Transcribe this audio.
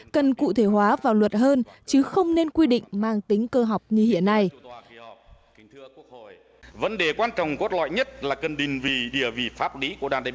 cần cụ thể hóa vào luật hơn chứ không nên quy định mang tính cơ học như hiện nay